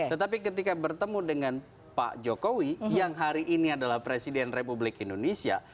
tetapi ketika bertemu dengan pak jokowi yang hari ini adalah presiden republik indonesia